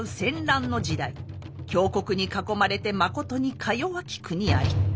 強国に囲まれてまことにかよわき国あり。